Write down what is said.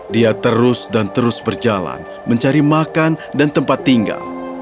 dia terus dan terus berjalan mencari makan dan tempat tinggal